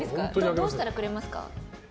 どうしたらくれますか？